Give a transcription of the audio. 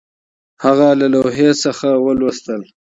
هغه له لوحې څخه ولوستل